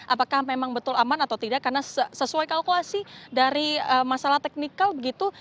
apakah memang betul aman atau tidak karena sesuai kalkulasi dari masalah teknikal begitu